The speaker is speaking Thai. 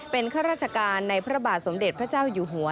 เป็นข้าราชการในพระบาทสมเด็จพระเจ้าอยู่หัว